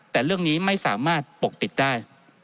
แต่เรื่องนี้ไม่สามารถปกปิดได้